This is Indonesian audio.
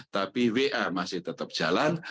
tapi wa masih tetap jalan